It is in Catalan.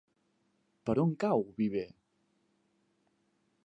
Per on cau Viver?